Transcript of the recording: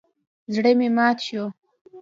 زړه مې مات شو.